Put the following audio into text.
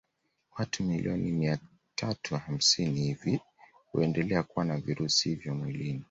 Watu milioni mia tatu hamsini hivi huendelea kuwa na virusi hivyo mwilini